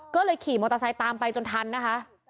ก็เลยขี่มอเตอร์ไซค์ตามไปจนทันนะคะ